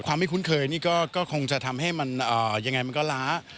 ไม่คุ้นเคยนี่ก็คงจะทำให้มันยังไงมันก็ล้า